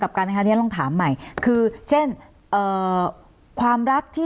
กันนะคะเนี้ยลองถามใหม่คือเช่นเอ่อความรักที่